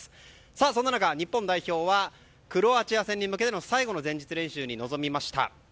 そんな中、日本代表はクロアチア戦に向けての最後の前日練習に臨みました。